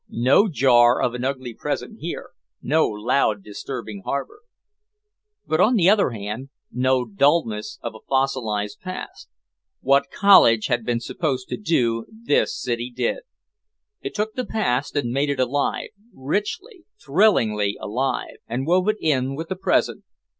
No jar of an ugly present here, no loud disturbing harbor. But on the other hand, no dullness of a fossilized past. What college had been supposed to do this city did, it took the past and made it alive, richly, thrillingly alive, and wove it in with the present.